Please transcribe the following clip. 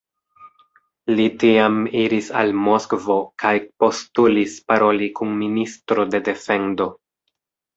Li tiam iris al Moskvo kaj postulis paroli kun ministro de defendo.